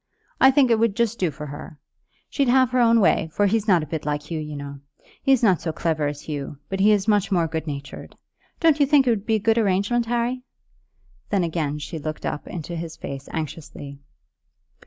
I think it would just do for her. She'd have her own way, for he's not a bit like Hugh, you know. He's not so clever as Hugh, but he is much more good natured. Don't you think it would be a good arrangement, Harry?" Then again she looked up into his face anxiously.